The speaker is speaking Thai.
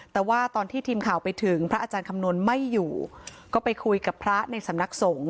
แต่ว่าตอนที่ทีมข่าวไปถึงพระอาจารย์คำนวณไม่อยู่ก็ไปคุยกับพระในสำนักสงฆ